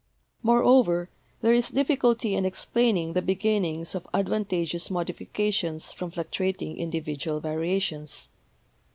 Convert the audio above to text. Moreover, there is difficulty in explaining the beginnings of advantageous modifications from fluctuating individual variations.